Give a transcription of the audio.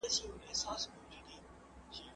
حقایق باید بدل نه سي.